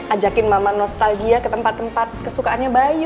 ajakin mama nostalgia ke tempat tempat kesukaannya bayu